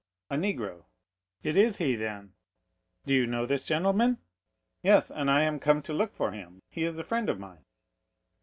"A negro." "It is he, then." "Do you know this gentleman?" "Yes, and I am come to look for him; he is a friend of mine."